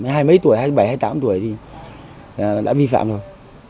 hai mấy tuổi hai mấy tuổi c characteristic thì đã vi phạm rồi